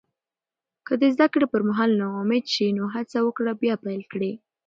که د زده کړې پر مهال ناامید شې، نو هڅه وکړه بیا پیل کړې.